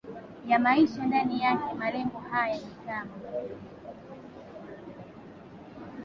ya maisha ndani yake Malengo haya ni kama